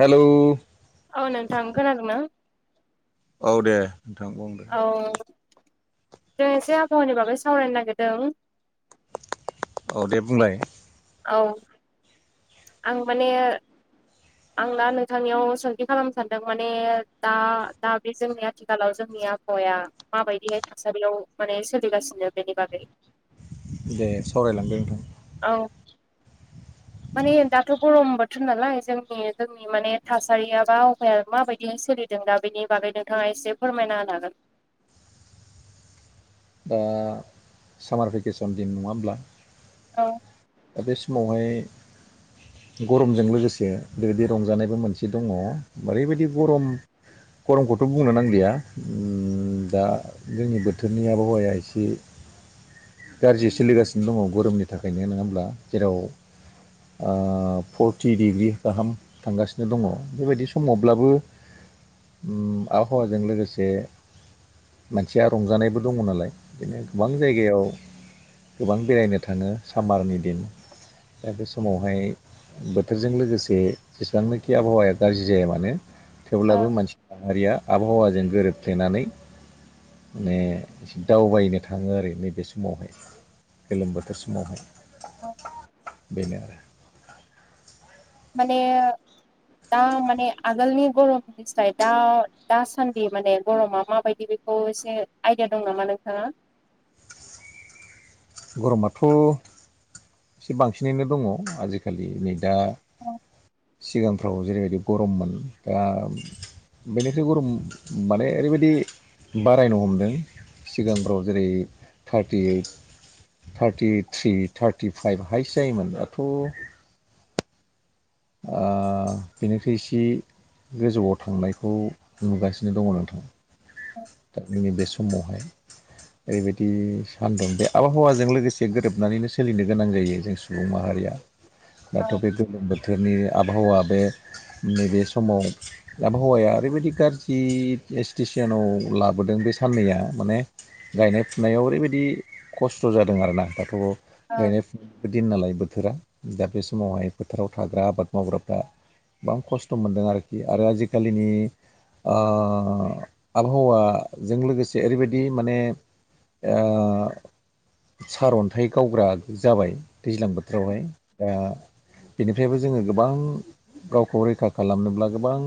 हेल' औ नोंथां खोनादोंना औ दे नोंथां बुंदों औ जों एसे आबहावानि बागै सावरायनो नागिरदों औ दे बुंलाय औ आं माने आंना नोंथांनियाव सोंथि खालामनो सानदों माने दा दा बे जोंनि आथिखालाव जोंनिया आबहावाया माबायदिहाय थासारियाव माने सोलिगासिनो बेनि बागै। दे सावराय लांदों नोंथां। औ माने दाथ' गरम बोथोर नालाय जों जोंनि माने थासारिया बा उफाया माबायदि सोलिदों दा बेनि बागै नोंथाङा एसे फोरमायना होनो हागोन। [inaudible] दा सामार भेकेसन दिन नङा होनब्ला औ दा बे समावहाय गरमजों लोगोसे बेबायदि रंजानायबो मोनसे दङ ओरैबायदि गरम। गरमखौथ' बुंनो नांलिया दा जोंनि बोथोरनि आबहावाया एसे गाज्रि सोलिगासिनो दङ गरमनि थाखायनो नङा होमब्ला जेराव ओ फर्टथि डिग्रि गाहाम थांगासिनो दङ बेबायदि समावब्लाबो ओ आबहावाजों लोगोसे मानसिया रंजानायबो दङ नालाय बिदिनो गोबां जायगायाव गोबां बेरायनो थाङो सामारनि दिन दा बे समावहाय बोथोरजों लोगोसे जेसेबांनोखि आबहावाया गाज्रि जाया मानो औ थेवब्लाबो मानसि माहारिया आबहावा जों जों गोरोबफ्लेनानै दावबायनो थाङो आरो नैबे समावहाय गोलोम बोथोर समावहाय। औ बेनो आरो माने दा माने आगोलनि गरमनिफ्राय दा दासान्दि माने गरमा माबायदि बे खौ एसे आइदिया दं नामा नोंथाङा? [inaudible] गरमाथ' एसे बांसिनैनो दङ आजिखालि नै दा औ सिगांफ्राव जेरैबायदि गरममोन दा बेनिफ्राय गरम माने ओरैबायदि बारायनो हमदों। सिगांफ्राव जेरै thirty eight thirty three thirty five हाइस जायोमोन दाथ' ओ बेनिफ्राय एसे गोजौआव थांनायखौ नुगासिनो दङ नोंथां। दा बेनि बे समावहाय ओरैबायदि सानदों बे आबहावाजों लोगोसे गोरोबनानैनो सोलिनो गोनां जायो जों सुबुं माहारिया दाथ' बे गोलोम बोथोरनि आबहावा बे नैबे समाव आबहावाया ओरैबायदि गाज्रि स्टेसनाव लाबोदों बे साननैया माने गायनाय फुनायाव ओरैबायदि खस्थ' जादों आरोना दाथ' औ गायनाय दिन नालाय बोथोरा दा बे समावहाय फोथाराव थाग्रा आबाद मावग्राफ्रा गोबां खस्थ' मोनदों आरोखि आरो आजिखालिनि ओ आब- हावाजों लोगोसे ओरैबायदि माने ओ सारअन्थाइ गावग्रा जाबाय दैज्लां बोथोरावहाय दा बेनिफ्रायबो जोङो गोबां गावखौ रैखा खालामनोब्ला गोबां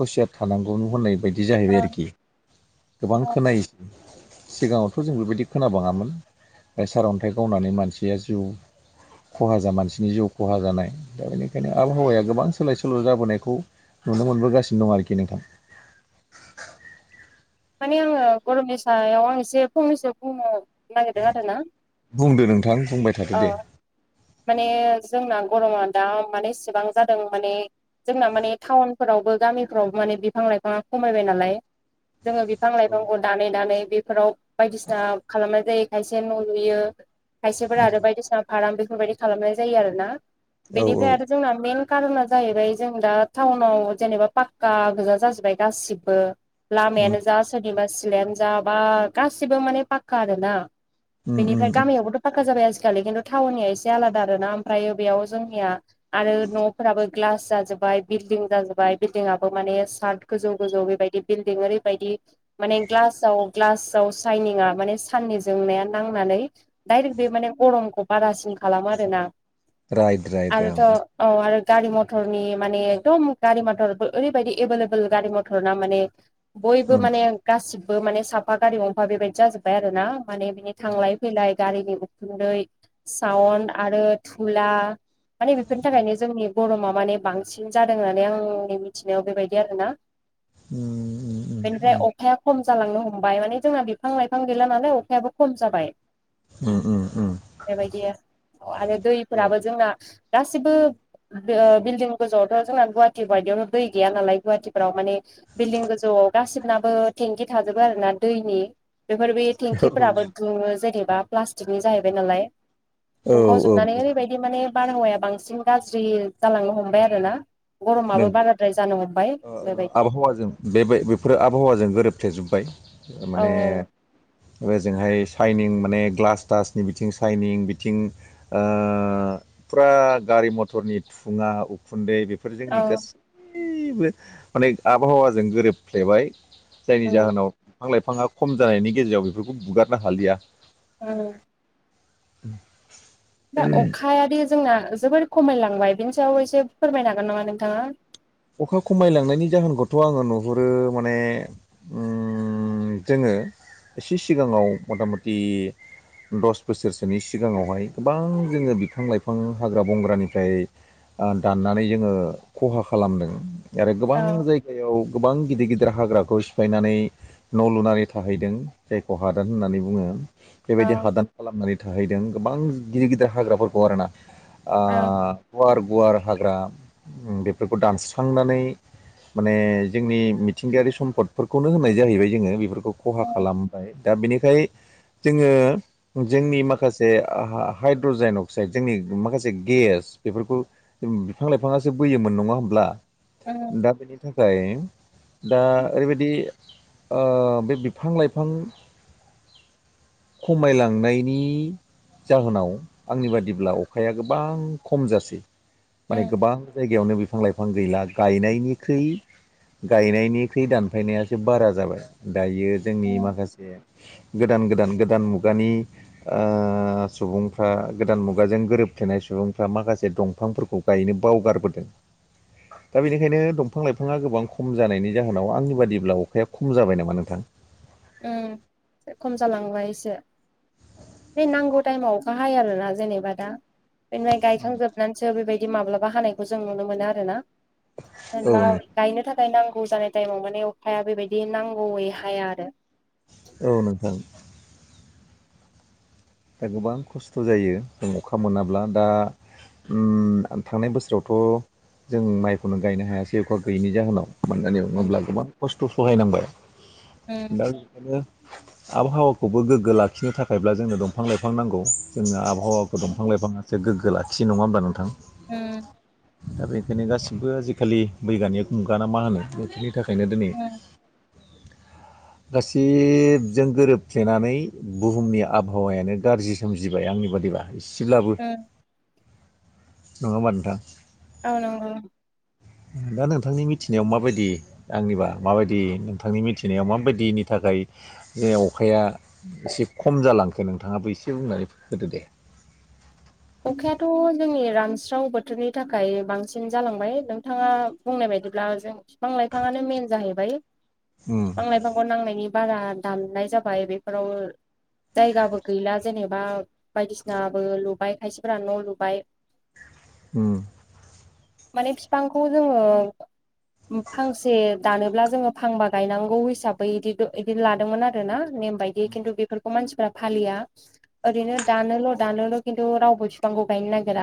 हसियात थानांगौ होननाय बायदि जाहैबाय आरोखि गोबां खोनायो। सिगाङावथ' जों बेबायदि खोनाबाङामोन। फ्राय सारअन्थाइ गावनानै मानसिया जिउ खहा जा मानसिनि जिउ खहा जानाय दा बेनिखायनो आबहावाया गोबां सोलाय सोल' जाबोनायखौ नुनो मोनबोगासिनो दं आरोखि नोंथां। माने आङो गरमनि सायाव आं एसे फंनैसो बुंनो नागिरदों आरो ना। बुंदो नोंथां बुंबाय थादो दे माने जोंना गरमा दा माने इसेबां जादों माने जोंना माने टाउनफोरावबो गामिफ्रावबो माने बिफां लाइफाङा खमायबाय नालाय जोङो बिफां लाइफांखौ दानै-दानै बे- फोराव बायदिसिना खालामनाय जायो खायसे न' लुयो खायसेफोरा आरो बायदिसिना फाराम बे- फोरबायदि खालामनाय जायो आरोना औ औ बेनिफ्राय आरो जोंना मेइन कारोना जाहैबाय जों दा टाउनाव जेनेबा पाक्का गोजा जाजोबबाय गासिबो उम लामायानो जा सोरनिबा सिलायानो जा बा गासिबो माने पाक्का आरोना उम उम बेनिफ्राय उम गामियावबोथ' फाखा जाबाय आज- खालि खिन्थु थाउननि आ एसे आलादा आरो ना ओमफ्रायो बेयाव जोंनिया आरो न'फोराबो ग्लास जाजोब- बाय बिल्डिं जाजोबबाय बिल्डिंआबो माने सार्ट गोजौ गोजौ बेबायदि बिल्डिं ओरैबायदि माने ग्लासाव-ग्लासाव साइनिंआ माने साननि जोंनाया नांना- नै डाइरेक्ट बे माने गरमखौ बारासिन खालामो आरोना राइट राइट औ आरोथ' औ आरो गारि मथरनि माने एकदम गारि मथरबो ओरैबायदि एभेलेबल गारि मथर ना माने बयबो उम माने गासिबो माने साफा गारि गंफा बेबायदि जाजोब्बाय आरो ना माने बिनि थांलाय फैलाय गारिनि उखुन्दै साउन्ड आरो थुला माने बेफोरनि थाखायनो जोंनि गरमा माने बांसिन जादों होननानै आंनि मिथिनायाव बेबायदि आरोना उम उम उम बेनिफ्राय अखाया खम जालांनो हमबाय माने जोंना बिफां लाइफां गैला नालाय अखायाबो खम जाबाय उम उम उम बेबायदि आरो दैफोराबो औ जोंना गासिबो द बिल्डिं गोजौआवथ' जोंना गुवाहाटि बायदियावनो दै गैया नालाय गुवाहाटिफ्राव माने बिल्डिं गो- जौआव दासिबनाबो टेंकि थाजोबो आरो ना दैनि बेफोर बे थेंखिफोराबो दुङो जेनेबा प्लास्टिकनि जाहैबाय नालाय औ औ दुंखावजोबनानै ओरैबायदि माने बारहावाया बांसिन गाज्रि जालांनो हमबाय आरोना नोंगौ गरमाबो बाराद्राय जानो हमबाय बेबायदि फोरा आबहावाजों गोरोबथेजोब्बाय औ माने ओजोंहाय साइनिं माने ग्लास तासनि बिथिं साइनिं बिथिं अ फुरा गारि मथरनि थुङा उखुन्दै बे- फोर जोंनि औ गासैबो माने आबहावाजों गोरोबफ्लेबाय जायनि जाहोनाव फां लाइफाङा खम जानायनि गेजेराव बेफोरखौ बुगारनो हालिया औ द [inaudible] दा अखा दि जोंना जोबोर खमायलांबाय बिनि सायाव एसे फोरमायनो हागोन नामा नोंथाङा अखा खमायलांनायनि जाहोनखौथ' आङो नुहुरो माने उम उम जोङो एसे सिगाङाव मथा मथि दस बोसोरसोनि सिगांङावहाय गोबां जोङो बिफां लाइफां हाग्रा बंग्रानिफ्राय ओ दाननानै जोङो खहा खालामदों आरो गोबां औ जायगायाव गोबां गिदिर गिदिर हाग्राखौ सिफायनानै न' लुनानै थाहैदों जायखौ हादान होननानै बुङो औ बेबायदि हादान खालामनानै थाहैदों गोबां गिदिर गिदिर हाग्राफोरखौ आरोना ओ औ गुवार गुवार हाग्रा बेफोरखौ दानस्रांनानै माने जोंनि मिथिंगायारि सम्पदफोरखौनो होननाय जाहैबाय जोङो बेफोरखौ खहा उम खालामबाय दा बिनिखाय जोङो जोंनि माखासे हाइड्रजाइन अक्साइड जोंनि माखासे गेस बेफोरखौ बिफां लाइफाङासो बोयोमोन नङा हब्ला दा बेनि था खाय दा ओरैबायदि ओ बे बिफां लाइफां खमायलांनायनि जाहोनाव आंनि बादिब्ला अखाया गोबां खम जासै माने उम गोबां जायगायावनो लाइफां गैलानायनिख्र गायनायनिख्रुइ दानफायनायासो बारा जाबाय दायो जोंनि उम माखासे गोदान गोदान गोदान मुगानि ओ सुबुंफ्रा गोदान मुगाजों गोरोबथेनाय सुबुं सुबुंफ्रा माखासे दंफांफोरखौ गायनो बावगारबोदों दा बेनिखायनो दंफां लाइफाङा गोबां खम जानायनि जाहोनाव आंनि बादिब्ला अखाया खम जाबाय नामा नोंथां ओं खम जालांबाय एसे बे नांगौ टाइमाव अखा हायो आरोना जेनेबा दा जों माइ गायखांजोबनानैसो बेबायदि माब्लाबा हानायखौ जों नुनो मोनो आरोना औ जेनेबा नों गायनो थाखाय नांगौ जानाय टाइमाव माने अखाया बेबायदि नांगौयै हाया आरो औ नोंथां दा गोबां खस्थ' जायो जों अखा मोनाब्ला दा उम थांनाय बोसोरावथ' थ' जों माइखौनो गायनो हायासै अखा गैयैनि जाहोनाव गोबां गामियाव नङा उम होमब्ला गोबां खस्थ' सहायनांबाय दा उम बेखौनो आबहावाखौबो गोग्गो लाखिनो थाखायब्ला जोंनो दंफां लाइफां नांगौ जोंनो आब आहावाखौ उम दंफां लाइफांङासो गोगो लाखि नङाहोमबा नोंथां उम दा बेनिखायनो गाससिबो आजिखालि बैग्यानिक मुगा ना मा होनो बेफोरनि थाखायनो दिनै गासिजों गोरोबफ्लेनानै बुहुमनि आब आबहावायानो गाज्रि सोमजिबाय आंनि बादिबा इसेब्लाबो उम नङाहोमबा नोंथां औ नंगौ दा नोंथांनि मिथिनायाव माबायदि आंनिबा माबायदि नोंथांनि मिथिनायाव माबायदिनि था खाय जे अखाया एसे खम जालांखो नोंथाङाबो एसे बुंनानै होदो दे [inaudible] अखायाथ' जोंनि रानस्राव बोथोरनि थाखाय बांसिन जालांबाय नोंथाङा बुंनाय बायदिब्ला जों बिफां लाइफाङानो नो मेन जाहैबाय उम फिफां लाइफांखौ नांनायनि बारा दामनाय जाबाय बेफोराव जायगाबो गैला जेनेबा बायदिसिनाबो लुबाय खायसेफोरा न' लुबाय उम माने फिफांखौ जोंङो उम फांसे दानोब्ला जोङो फांबा गायनांगौ हिसाबै बिदि बिदि लादोंमोन आरो ना नेम बायदि खिन्थु बेफोरखौ मानसिफ्रा फालिया ओरैनो दानोल' दानोल 'खिथु थ' रावबो बिफांखौ गायनो नागिरा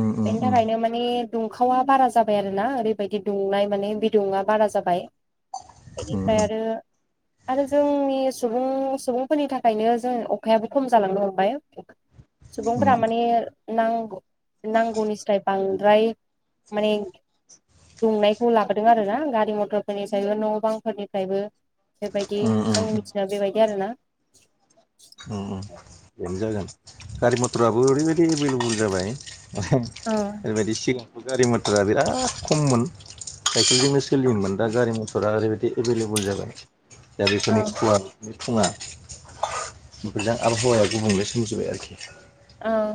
उम उम बेनि उम थाखायनो माने दुंखावा बारा जाबाय आरो ना ओरैबायदि दुंनाय माने बिदुङा बारा जाबाय उम बेनिफ्राय आरो आरो जोंनि सुबुं सुबुंफोरनि थाखायनो जों अखायाबो खम जालांनो हमबाय उम सुबुंफोरा माने नांगौ नांगौनिसराय बां राइ माने दुंनायखौ लाबोदों आरो ना गारि मथरफोरनिफ्रायबो न' बांफोरनिफ्रायबो बेबायदि उम उम आंनि उम मिथिनायाव बेबायदि आरोना बेनो जागोन गारि मथराबो ओरैबायदि एभेलेबेल जाबाय औ ओरैबायदि सिगांथ गारि मथरा बिराद खममोन साइकेलजोंनो सोलियोमोन दा गारि मथरा ओरैबायदि एभेलेबोल जाबाय दा औ बेफोरनि खुवा खुङा बेफोरजों आबहावाया गुबुंले सोमजिबाय आरोखि औ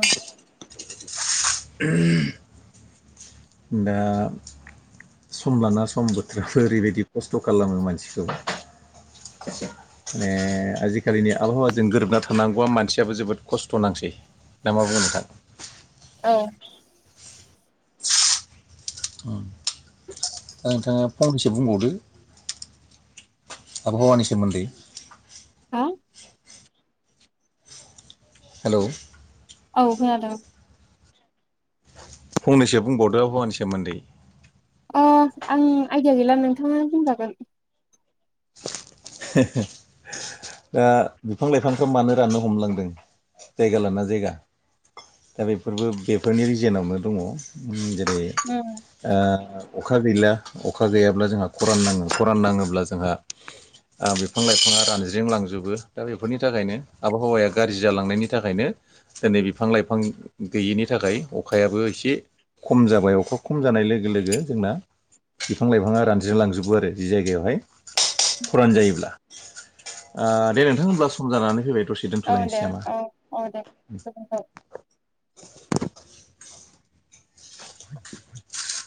दा सम लाना सम बोथोरफोर ओरैबायदि खस्थ' खालामो मानसिखौ माने आजिखालिनि आबहावाजों गोरोबना थानांगौआ मानसियाबो जोबोद खस्थ' नांसै ना मा बुङो नोंथां औ औ दा नोंथाङा फबंनैसो बुंबावदो आबहावानि सोमोन्दै हा हेल' औ खोनादों फंनैसो बुंबावदो आबहावानि सोमोन्दै अ आं आइडिया गैला नोंथाङा बुंजागोन हो हो दा बिफां लाइफांखौ मानो राननो हमलांदों जायगा लाना जायगा दा बेफोरबो बेफोरनि रिजोनावनो दङ जेरै उम अखा गैला अखा गैयाब्ला जोंहा खरान नाङो खरान नाङोब्ला जोंहा बिफां लाइफाङा रानज्रिंलांजोबो दा बेफोरनि थाखायनो आबहावाया गाज्रि जालांनायनि थाखायनो दिनै बिफां लाइफां गैयिनि थाखाय अखायाबो एसे खम जाबाय अखा खम जानाय लोगो लोगो जोंना बिफां लाइफाङा रानज्रि लांजोबो आरो जि जायगायावहाय खरान जायोब्ला दे नोंथां होनब्ला सम जानानै फैबाय दसे औ दे दोनथ'लायनोसै नामा औ औ दे गोजोनथों [inaudible]